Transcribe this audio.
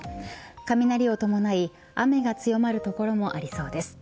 雷を伴い雨が強まる所もありそうです。